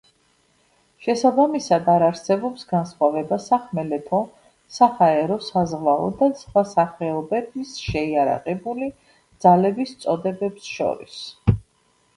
შესაბამისად, არ არსებობს განსხვავება სახმელეთო, საჰაერო, საზღვაო და სხვა სახეობის შეიარარებული ძალების წოდებებს შორის.